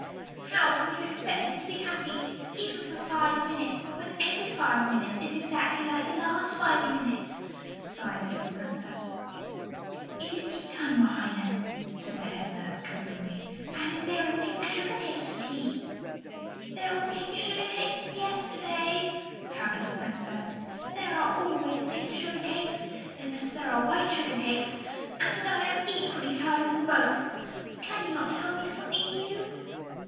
"How can you expect me to be happy, even for five minutes, when every five minutes is exactly like the last five minutes?" sighed the little Princess. "It is tea time, your Highness," said the head nurse, coaxingly, "and there are pink sugar cakes for tea!" "There were pink sugar cakes yesterday," pouted the Princess. "There are always pink sugar cakes unless there are white sugar cakes, and I am equally tired of them both. Can you not tell me something new?"